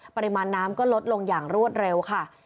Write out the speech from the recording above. ปริมาณน้ำก็ลดลงอย่างรวดเร็วค่ะ